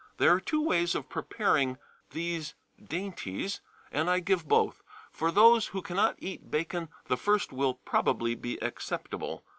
_ There are two ways of preparing these dainties, and I give both. For those who cannot eat bacon the first will probably be acceptable.